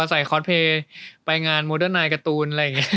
ใส่คอร์ดเพลย์ไปงานโมเดิร์นไนค์การ์ตูน